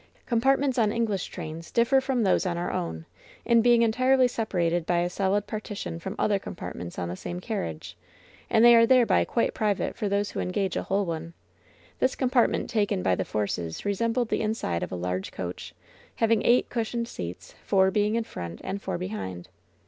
Compartments on English trains differ from those on our own, in being entirely separated by a solid partition from other compartments on the same carriage, and they are thereby quite private for those who engage a whole one. This compartment taken by the Forces resembled the inside of a large coach, having eight cushioned seats, four being in front and four behind.